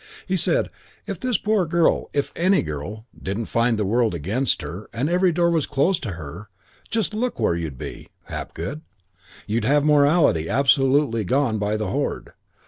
He said, 'If this poor girl, if any girl, didn't find the world against her and every door closed to her, just look where you'd be, Hapgood. You'd have morality absolutely gone by the hoard.